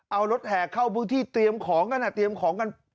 เอารถแห่เข้าพื้นที่เตรียมของกันเตรียมของกัน